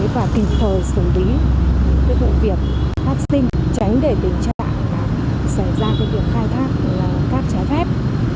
và kịp thời xử lý những vụ việc phát sinh tránh để tình trạng xảy ra việc khai thác cát trái phép